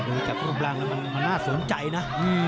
ดูจากรูปร่างแล้วมันน่าสนใจนะ